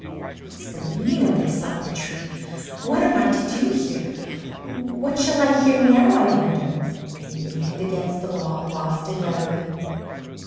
"What's the meaning of this?" thought the Tree. "What am I to do here? What shall I hear now, I wonder?" And he leaned against the wall, lost in reverie.